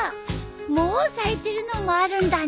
もう咲いてるのもあるんだね。